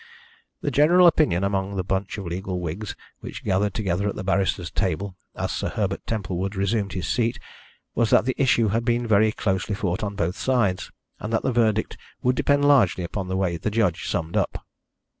The general opinion among the bunch of legal wigs which gathered together at the barristers' table as Sir Herbert Templewood resumed his seat was that the issue had been very closely fought on both sides, and that the verdict would depend largely upon the way the judge summed up.